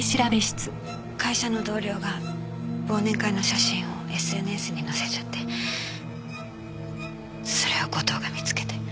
会社の同僚が忘年会の写真をＳＮＳに載せちゃってそれを後藤が見つけて。